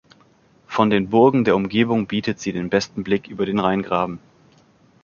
Von den Burgen der Umgebung bietet sie den besten Blick über den Rheingraben.